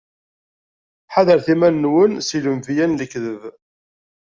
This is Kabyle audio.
Ḥadret iman-nwen si lenbiya n lekdeb!